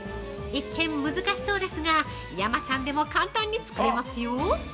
一見、難しそうですが、山ちゃんでも簡単に作れますよ。